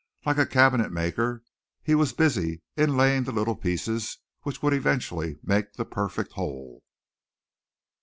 Like a cabinet maker, he was busy inlaying the little pieces which would eventually make the perfect whole.